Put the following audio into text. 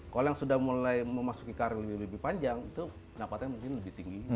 kalau yang sudah mulai memasuki karir lebih panjang itu pendapatannya mungkin lebih tinggi